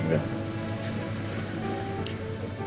gue nikahin andi juga karena dendam